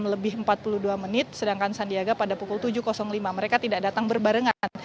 enam lebih empat puluh dua menit sedangkan sandiaga pada pukul tujuh lima mereka tidak datang berbarengan